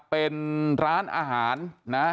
เป็นร้านอาหารนะ